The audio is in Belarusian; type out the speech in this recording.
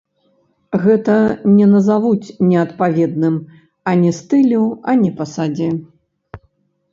Гэта не назавуць неадпаведным ані стылю, ані пасадзе.